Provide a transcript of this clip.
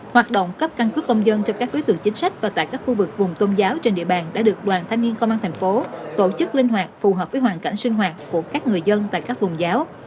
hoạt động cấp căn cước công dân cho các đối tượng chính sách và tại các khu vực vùng tôn giáo trên địa bàn đã được đoàn thanh niên công an thành phố tổ chức linh hoạt phù hợp với hoàn cảnh sinh hoạt của các người dân tại các vùng giáo